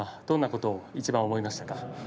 どんなことをいちばん思いましたか？